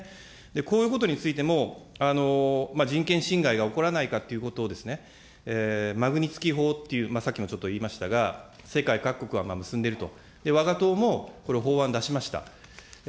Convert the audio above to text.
こういうことについても、人権侵害が起こらないかということを、マグニツキー法という、さっきもちょっと言いましたが、世界各国が結んでいると、わが党もこれ、法案出しました。